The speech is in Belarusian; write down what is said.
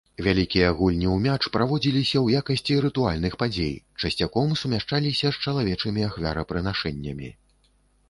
Вялікія гульні ў мяч праводзіліся ў якасці рытуальных падзей, часцяком сумяшчаліся з чалавечымі ахвярапрынашэннямі.